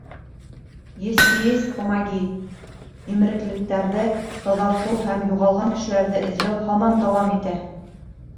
Если есть — помоги, Емереклектәрҙе таҙартыу һәм юғалған кешеләрҙе эҙләү һаман дауам итә.